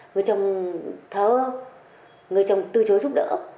người chồng thơ người chồng từ chối giúp đỡ